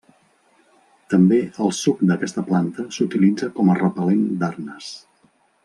També el suc d'aquesta planta s'utilitza com a repel·lent d'arnes.